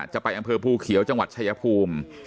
จะไปอำเภอภูเขียวจังหวัดชายภูมิ